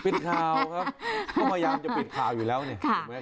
ปิดข่าวครับเค้าพยายามจะปิดข่าวอยู่แล้วเนี่ย